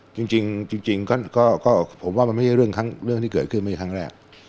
จริงก็ผมว่ามันไม่ใช่เรื่องที่เกิดขึ้นไม่ใช่ครั้งแรก